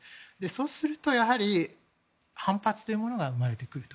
そうすると、やはり反発というものが生まれてくる。